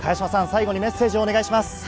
最後にメッセージをお願いします。